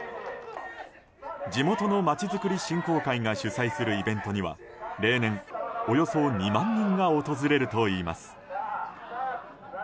地元のまちづくり振興会が主催するイベントには例年、およそ２万人が訪れるといいます。